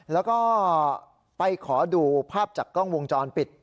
แล้วก็ไปขอดูภาพจากกล้องวงจรปิด